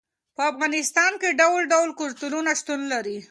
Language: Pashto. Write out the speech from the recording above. په افغانستان کې ډول ډول کلتورونه شتون لري.